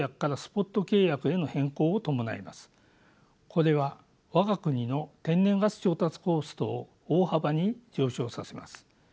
これは我が国の天然ガス調達コストを大幅に上昇させます。